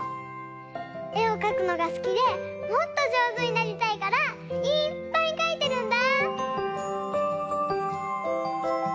えをかくのが好きでもっと上手になりたいからいっぱいかいてるんだ！